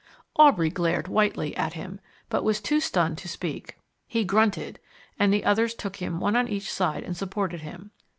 Aubrey glared whitely at him, but was too stunned to speak. He grunted, and the others took him one on each side and supported him.